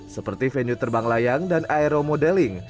seperti venue terbang layang dan aeromodeling